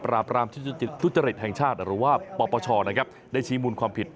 หรือว่าปรประชอนได้ชี้มูลความผิด